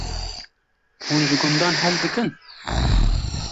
Hûn ji gundan hez dikin?